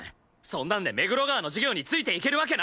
そんなんで目黒川の授業についていけるわけないだろ！